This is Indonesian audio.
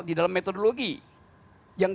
di dalam metodologi yang